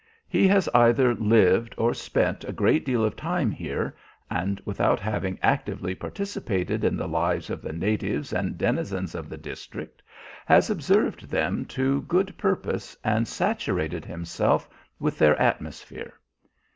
He has either lived or spent a great deal of time here, and without having actively participated in the lives of the natives and denizens of the district has observed them to good purpose and saturated himself with their atmosphere.